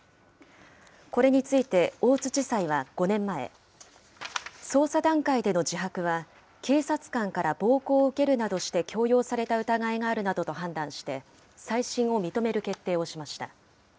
これについて大津地裁は５年前、捜査段階での自白は、警察官から暴行を受けるなどして強要された疑いがあるなどと判断して、再審を認める決定をしました。